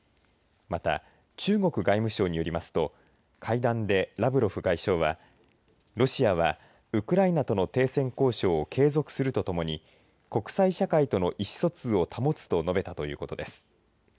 また中国外務省によりますと会談でラブロフ外相はロシアはウクライナとの停戦交渉を継続するとともに国際社会との意思疎通を保つと述べたということです。